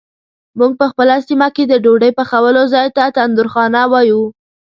مونږ په خپله سیمه کې د ډوډۍ پخولو ځای ته تندورخانه وایو.